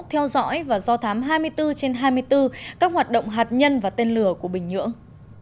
theo dõi và do thám hai mươi bốn trên hai mươi bốn các hoạt động hạt nhân và tên lửa của bình nhưỡng